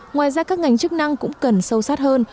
ngoài ra các ngành chức năng cũng cần sâu sát hơn